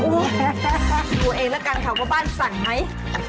พูดเองแล้วกันเขาก็บ้านสั่งไหม